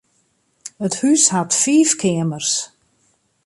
It hús hat fiif keamers.